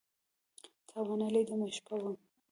تاونه لیدمه، شپه وم